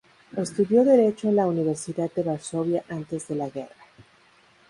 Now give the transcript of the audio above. Estudió Derecho en la Universidad de Varsovia antes de la guerra.